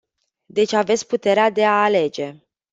Deci aveți puterea de a alege.